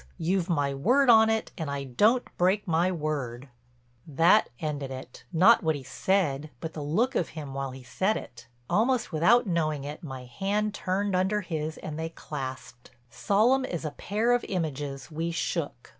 You've my word on it and I don't break my word." That ended it—not what he said but the look of him while he said it. Almost without knowing it my hand turned under his and they clasped. Solemn as a pair of images we shook.